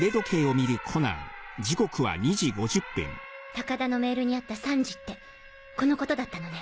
高田のメールにあった「三時」ってこのことだったのね。